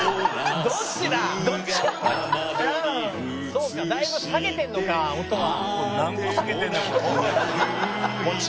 「そうかだいぶ下げてるのか音は」